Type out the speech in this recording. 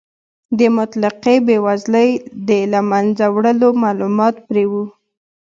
د مطلقې بې وزلۍ د له منځه وړلو مالومات پرې و.